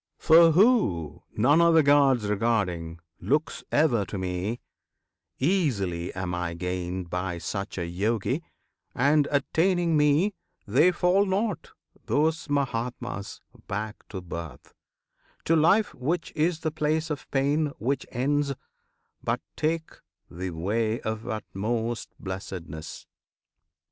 For who, none other Gods regarding, looks Ever to Me, easily am I gained By such a Yogi; and, attaining Me, They fall not those Mahatmas back to birth, To life, which is the place of pain, which ends, But take the way of utmost blessedness.